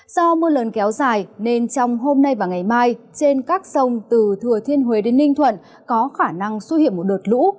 do mưa lớn kéo dài nên trong hôm nay và ngày mai trên các sông từ thừa thiên huế đến ninh thuận có khả năng xuất hiện một đợt lũ